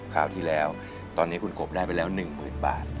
คราวที่แล้วตอนนี้คุณกบได้ไปแล้ว๑๐๐๐บาท